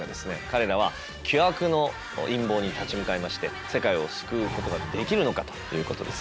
彼らは巨悪の陰謀に立ち向かいまして世界を救うことができるのか？ということです。